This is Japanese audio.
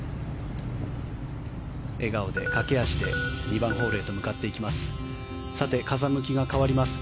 笑顔で、駆け足で２番ホールへと向かっていきます。